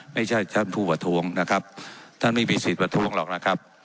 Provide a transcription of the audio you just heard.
ไม่ใช่ท่านผู้ประท้วงนะครับท่านไม่มีสิทธิ์ประท้วงหรอกนะครับ